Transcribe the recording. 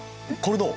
どう？